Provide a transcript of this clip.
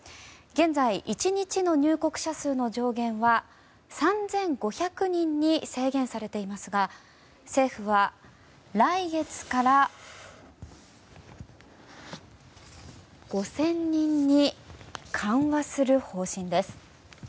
現在、１日の入国者数の上限は３５００人に制限されていますが政府は来月から５０００人に緩和する方針です。